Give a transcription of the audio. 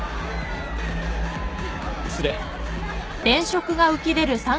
失礼。